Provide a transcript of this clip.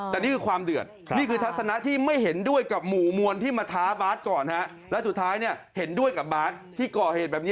แต่ความเห็นของพี่ทั้งสองท่านเนี่ย